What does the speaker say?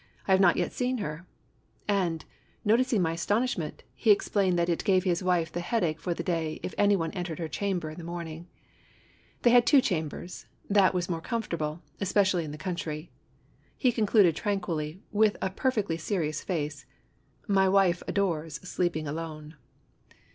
"I have not yet seen her!" And, noticing my astonishment, he explained that it gave his wife the headache for the day if any one entered her chamber in the morning. They had two chambers; that was more comfortable, especially in the country. He concluded tranquilly, with a perfectly serious face :" My wife adores sleeping alone."